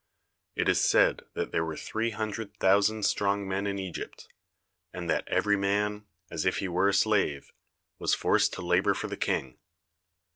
It is said that there were three hundred thousand strong men in Egypt, and that every man, as if he were a slave, was forced to labour for the King.